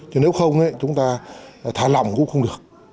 chứ nếu không chúng ta thả lòng cũng không được